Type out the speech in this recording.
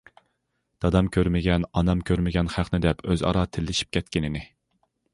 دادام كۆرمىگەن ئانام كۆرمىگەن خەقنى دەپ ئۆزئارا تىللىشىپ كەتكىنىنى.